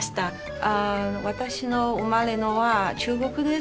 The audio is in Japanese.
あの私の生まれのは中国です。